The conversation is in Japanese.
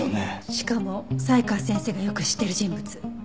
しかも才川先生がよく知ってる人物。